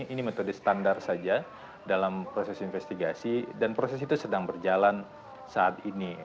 ini metode standar saja dalam proses investigasi dan proses itu sedang berjalan saat ini